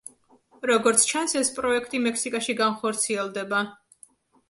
როგორც ჩანს, ეს პროექტი მექსიკაში განხორციელდება.